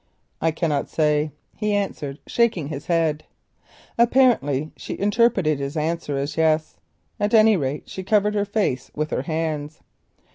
"I cannot say," he answered, shaking his head. Apparently she interpreted his answer in the affirmative. At any rate she covered her face with her hands.